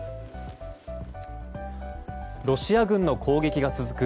ロシア軍の攻撃が続く